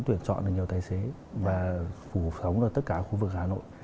tuyển chọn được nhiều tài xế và phù hợp sống ở tất cả khu vực hà nội